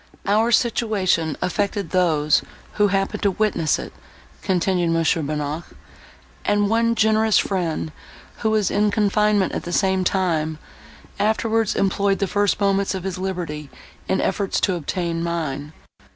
"Our situation affected those, who happened to witness it," continued Mons. Bonnac, "and one generous friend, who was in confinement at the same time, afterwards employed the first moments of his liberty in efforts to obtain mine.